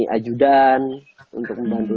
ajudan untuk membantu